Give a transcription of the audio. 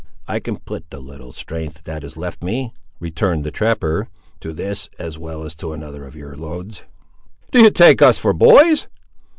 "I can put the little strength that is left me," returned the trapper, "to this, as well as to another of your loads." "Do you take us for boys!"